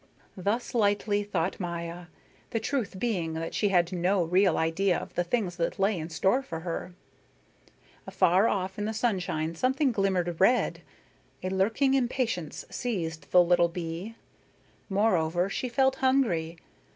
Thus lightly thought Maya, the truth being that she had no real idea of the things that lay in store for her. Afar off in the sunshine something glimmered red. A lurking impatience seized the little bee. Moreover, she felt hungry.